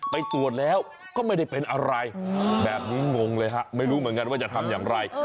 ไปตรวจแล้วก็ไม่ได้เป็นอะไรแบบนี้งงเลยฮะไม่รู้เหมือนกันว่าจะทำอย่างไร